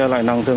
lãi năng tiền